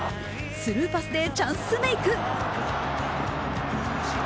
スルーパスでチャンスメイク。